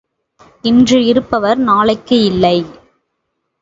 இன்று இருப்பவர் நாளைக்கு இல்லை.